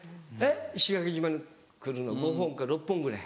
石垣島に来るの５本か６本ぐらい。